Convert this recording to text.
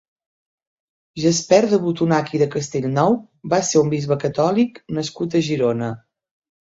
Jaspert de Botonac i de Castellnou va ser un bisbe catòlic nascut a Girona.